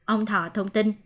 ông thọ thông tin